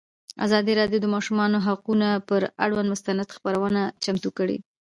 ازادي راډیو د د ماشومانو حقونه پر اړه مستند خپرونه چمتو کړې.